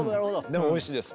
でもおいしいです。